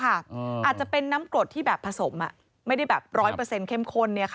อาจจะเป็นน้ำกรดที่แบบผสมไม่ได้แบบร้อยเปอร์เซ็นเข้มข้น